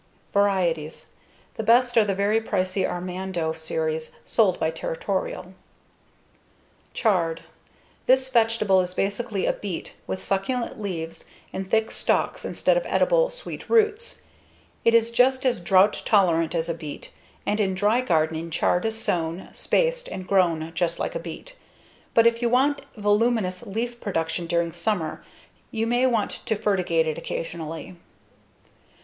Varieties: The best are the very pricy Armado series sold by Territorial. Chard This vegetable is basically a beet with succulent leaves and thick stalks instead of edible, sweet roots. It is just as drought tolerant as a beet, and in dry gardening, chard is sown, spaced, and grown just like a beet. But if you want voluminous leaf production during summer, you may want to fertigate it occasionally.